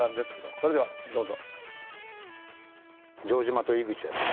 それでは、どうぞ。